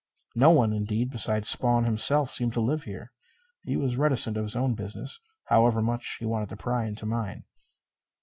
No one, indeed, beside Spawn himself seemed to live here. He was reticent of his own business, however much he wanted to pry into mine.